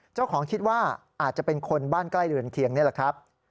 เจ้าของคิดว่าอาจจะเป็นคนบ้านใกล้เรือนเคียงนี่แหละครับ